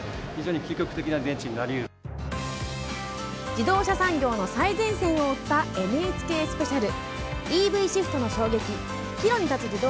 自動車産業の最前線を追ったＮＨＫスペシャル。